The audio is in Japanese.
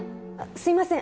すいません